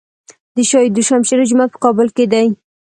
د شاه دوشمشیره جومات په کابل کې دی